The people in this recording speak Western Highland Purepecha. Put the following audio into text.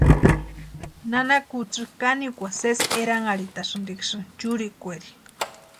Nana kutsï kanekwa sésï eranharhitasïntiksïni churekweeri.